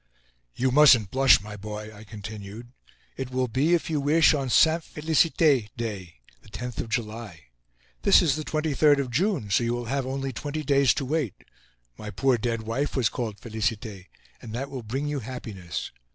"You mustn't blush, my boy," I continued. "It will be, if you wish, on Saint Felicite day, the 10th of July. This is the 23rd of June, so you will have only twenty days to wait. My poor dead wife was called Felicite, and that will bring you happiness.